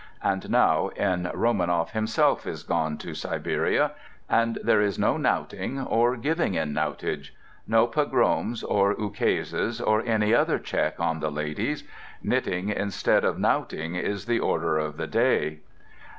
And now N. Romanoff himself is gone to Siberia, and there is no knouting or giving in knoutage; no pogroms or ukases or any other check on the ladies. Knitting instead of knouting is the order of the day.